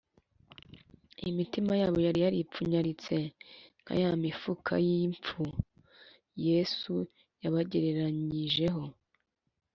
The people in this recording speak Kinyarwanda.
imitima yabo yari yaripfunyaritse nka ya mifuka y’impu yesu yabagereranyijeho